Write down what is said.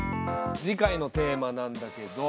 次回のテーマなんだけど。